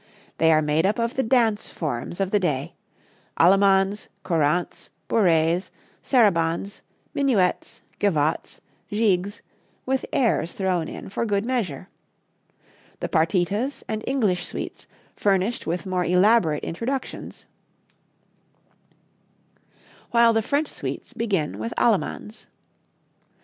They are made up of the dance forms of the day allemandes, courants, bourrées, sarabandes, minuets, gavottes, gigues, with airs thrown in for good measure; the partitas and English suites furnished with more elaborate introductions, while the French suites begin with allemandes.